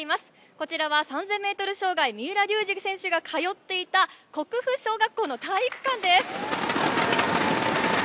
こちらは３０００ｍ障害、三浦龍司選手が通っていた国府小学校の体育館です。